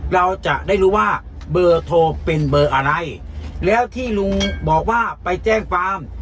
เราจะได้รู้ว่าเบอร์โทรเป็นเบอร์อะไรแล้วที่ลุงบอกว่าไปแจ้งความ